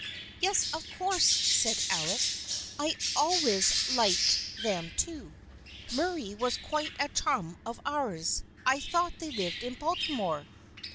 " Yes, of course," said Alec. " I always liked 200 THE FRIENDSHIP OF ANNE them too. Murray was quite a chum of ours. I thought they lived in Baltimore."